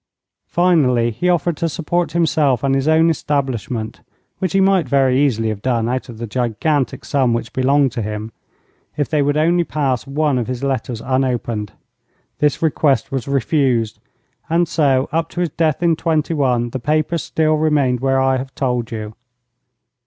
Finally, he offered to support himself and his own establishment which he might very easily have done out of the gigantic sum which belonged to him if they would only pass one of his letters unopened. This request was refused, and so, up to his death in '21, the papers still remained where I have told you.